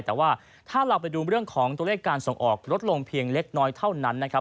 แต่ว่าถ้าเราไปดูเรื่องของตัวเลขการส่งออกลดลงเพียงเล็กน้อยเท่านั้นนะครับ